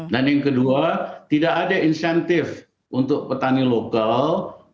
dan yang kedua tidak ada insentif untuk petani lokal